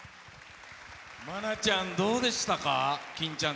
愛菜ちゃん、どうでしたか。